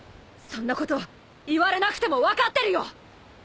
そんなこと言われなくても分かってるよ！